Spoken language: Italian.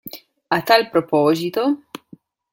A tal proposito.